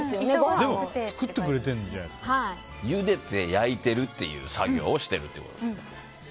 でも、作ってくれてゆでて、焼いてるっていう作業をしてるってことですね。